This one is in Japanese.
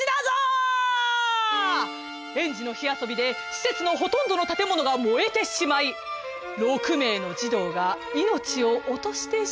園児の火遊びで施設のほとんどの建物が燃えてしまい６名の児童が命を落としてしまったのです。